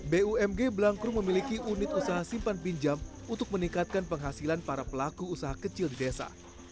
bumg blangkrum memiliki unit usaha simpan pinjam untuk meningkatkan penghasilan para pelaku usaha kecil di desa